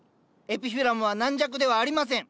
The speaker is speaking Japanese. エピフィラムは軟弱ではありません。